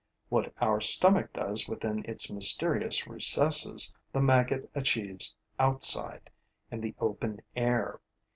What our stomach does within its mysterious recesses the maggot achieves outside, in the open air.